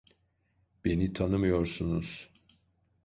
Beni tanımıyorsunuz.